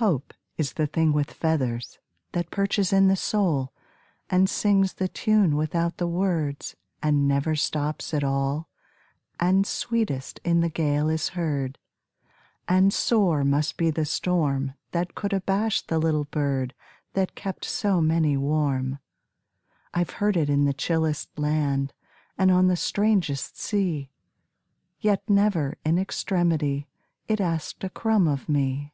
Hope is the thing with feathers That perches in the soul, And sings the tune without the words, And never stops at all, And sweetest in the gale is heard; And sore must be the storm That could abash the little bird That kept so many warm. I 've heard it in the chillest land, And on the strangest sea; Yet, never, in extremity, It asked a crumb of me.